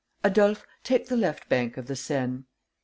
"Adolphe, take the left bank of the Seine."